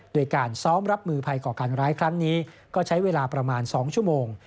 โดยการซ้อมรับมือภัยก่อการร้ายครั้งนี้ก็ใช้เวลาประมาณ๒ชั่วโมง